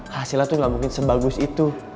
hasilnya tuh gak mungkin sebagus itu